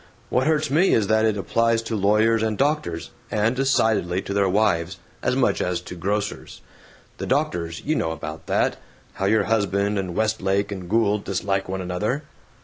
What hurts me is that it applies to lawyers and doctors (and decidedly to their wives!) as much as to grocers. The doctors you know about that how your husband and Westlake and Gould dislike one another."